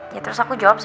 ya terus aku jawab sekali